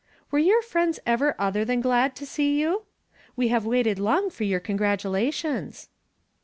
"Were your friends ever other than glad to see you? We have waited long for your congratulations."